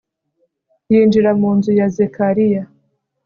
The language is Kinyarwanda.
yinjira mu nzu ya zekariya